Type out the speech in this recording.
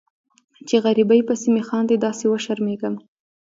چې غریبۍ پسې مې خاندي داسې وشرمیږم